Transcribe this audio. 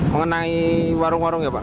mengenai warung warung ya pak